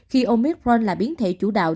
khi omicron là biến thể chủ đạo